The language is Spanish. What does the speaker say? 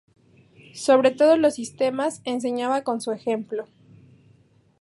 Sobre todos los sistemas, enseñaba con su ejemplo.